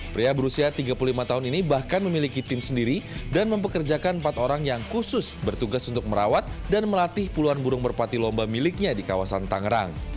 pria berusia tiga puluh lima tahun ini bahkan memiliki tim sendiri dan mempekerjakan empat orang yang khusus bertugas untuk merawat dan melatih puluhan burung merpati lomba miliknya di kawasan tangerang